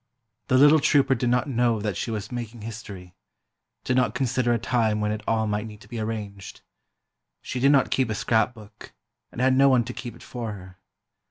The little trouper did not know that she was making history—did not consider a time when it all might need to be arranged. She did not keep a scrapbook, and had no one to keep it for her.